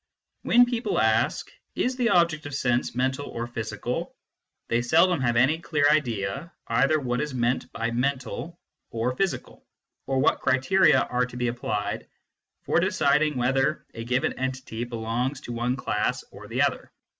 When people ask, " Is the object of sense mental or physical ?" they seldom have any clear idea either what is meant by " mental " or " physical/ or what criteria are to be applied for deciding whether a given entity belongs to one class or the other.